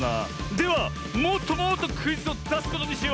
ではもっともっとクイズをだすことにしよう！